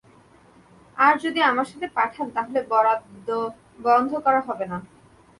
আর যদি আমাদের সাথে পাঠান তাহলে বরাদ্দ বন্ধ করা হবে না।